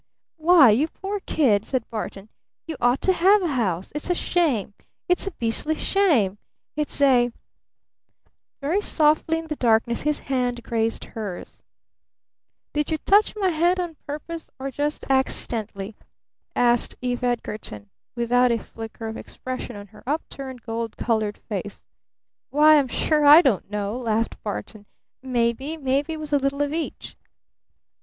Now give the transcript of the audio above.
"Why, you poor kid!" said Barton. "You ought to have a house! It's a shame! It's a beastly shame! It's a " Very softly in the darkness his hand grazed hers. "Did you touch my hand on purpose, or just accidentally?" asked Eve Edgarton, without a flicker of expression on her upturned, gold colored face. "Why, I'm sure I don't know," laughed Barton. "Maybe maybe it was a little of each."